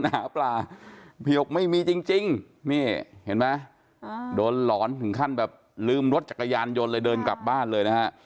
หาปลาพี่บอกไม่มีจริงนี่เห็นไหมโดนหลอนถึงขั้นแบบลืมรถจักรยานยนต์เลยเดินกลับบ้านเลยนะฮะ